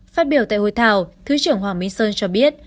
phát biểu tại hội thảo thứ trưởng hoàng minh sơn cho biết